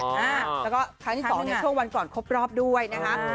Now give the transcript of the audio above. แล้วก็ทางที่๒ช่วงวันก่อนครบรอบด้วยนะครับ